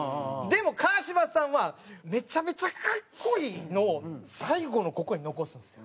でも川島さんはめちゃめちゃ格好いいのを最後のここに残すんですよ。